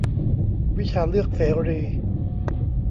วิชาเลือกเสรี